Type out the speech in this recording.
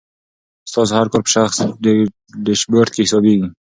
ستاسو هر کار په شخصي ډیشبورډ کې حسابېږي.